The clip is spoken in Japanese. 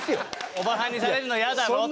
オバハンにされるの嫌だろっつって？